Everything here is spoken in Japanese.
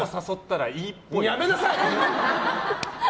やめなさい！